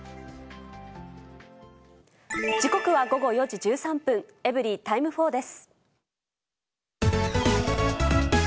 時刻は午後４時１３分、エブリィタイム４です。